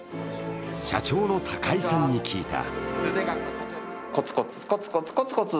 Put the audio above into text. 社長の高井さんに聞いた。